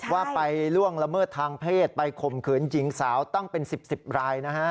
ว่าไปล่วงละเมิดทางเพศไปข่มขืนหญิงสาวตั้งเป็น๑๐รายนะฮะ